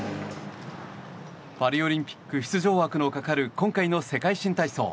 パリオリンピック出場枠のかかる今回の世界新体操。